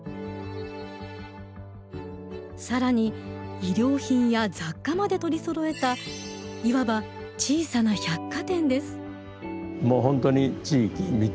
更に衣料品や雑貨まで取りそろえたいわばもう本当に地域密着。